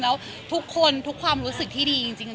ตัวนี้ต่อมาดีมั้ย